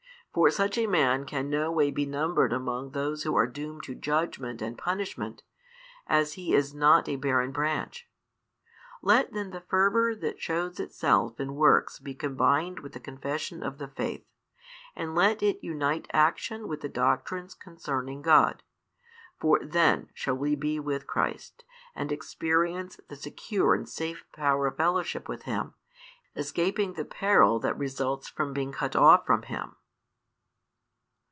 For such a man can no way be numbered among those who are doomed to judgment and punishment, as he is not a |379 barren branch. Let then the fervour that shows itself in works be combined with the confession of the faith, and let it unite action with the doctrines concerning God. For then shall we be with Christ, and experience the secure and safe power of fellowship with Him, escaping the peril that results from being cut off from Him.